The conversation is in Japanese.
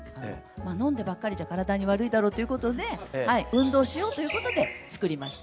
飲んでばっかりじゃ体に悪いだろうということで運動しようということで作りました。